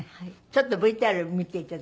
ちょっとＶＴＲ見て頂きます。